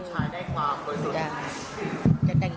ให้รู้สึกว่ามีความบริสุทธิ์